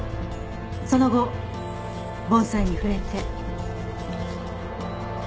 その後盆栽に触れて。